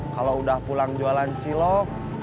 kalau udah pulang jualan cilok